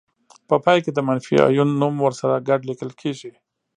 په پای کې د منفي آیون نوم ورسره ګډ لیکل کیږي.